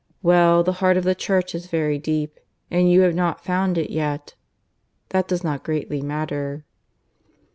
Well, the heart of the Church is very deep, and you have not found it yet. That does not greatly matter.